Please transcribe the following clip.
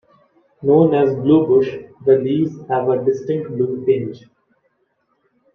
Known as blue bush, the leaves have a distinct blue tinge.